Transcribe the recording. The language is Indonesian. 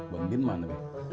buat min mana be